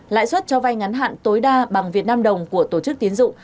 lãi suất cho vay ngắn hạn tối đa bằng việt nam đồng của tổ chức tiến dụng